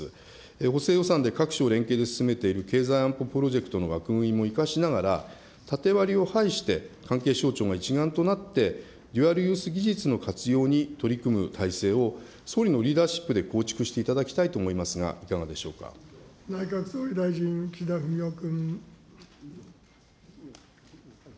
補正予算で各省連携で進めている経済安保プロジェクトの枠組みも生かしながら、縦割りを排して、関係省庁が一丸となってデュアルユース技術の活用に取り組む体制を総理のリーダーシップで構築していただきたいと思いますが、い内閣総理大臣、岸田文雄君。